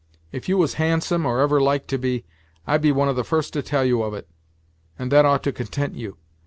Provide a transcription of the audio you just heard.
If you was handsome, or ever like to be, I'd be one of the first to tell you of it; and that ought to content you.